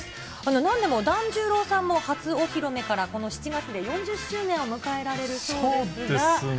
なんでも團十郎さんも初お披露目からこの７月で４０周年を迎えらそうですね。